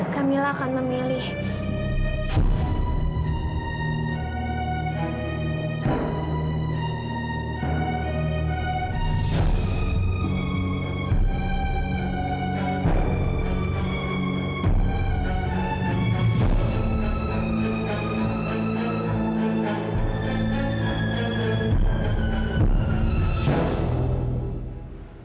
kamila akan memilih